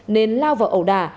nên lao vào ẩu đà